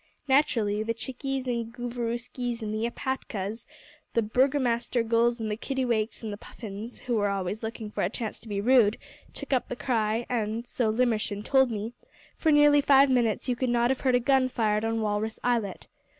Naturally the Chickies and the Gooverooskies and the Epatkas the Burgomaster Gulls and the Kittiwakes and the Puffins, who are always looking for a chance to be rude, took up the cry, and so Limmershin told me for nearly five minutes you could not have heard a gun fired on Walrus Islet.